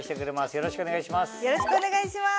よろしくお願いします。